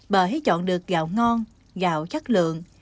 bởi chọn được gạo ngon gạo chất lượng